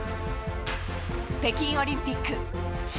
北京オリンピック。